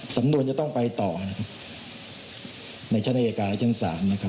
สำนวนจะต้องไปต่อนะครับในชั้นอายการและชั้นศาลนะครับ